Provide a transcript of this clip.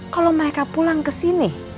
kalau mereka pulang ke sini